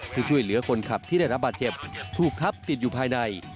เพื่อช่วยเหลือคนขับที่ได้รับบาดเจ็บถูกทับติดอยู่ภายใน